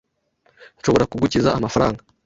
Nshobora kugukiza amafaranga.